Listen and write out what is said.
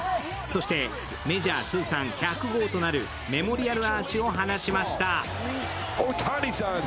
そしてメジャー通算１００号となるメモリアルアーチを放ちました。